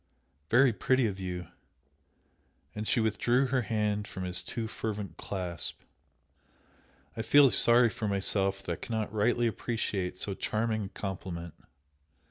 "Very pretty of you!" and she withdrew her hand from his too fervent clasp, "I feel sorry for myself that I cannot rightly appreciate so charming a compliment!"